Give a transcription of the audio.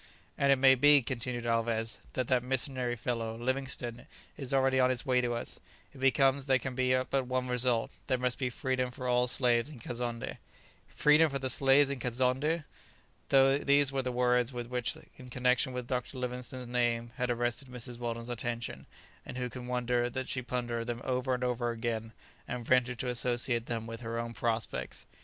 ] "And it may be," continued Alvez, "that that missionary fellow, Livingstone, is already on his way to us; if he comes there can be but one result; there must be freedom for all the slaves in Kazonndé." "Freedom for the slaves in Kazonndé!" These were the words which in connexion with Dr. Livingstone's name had arrested Mrs. Weldon's attention, and who can wonder that she pondered them over and over again, and ventured to associate them with her own prospects?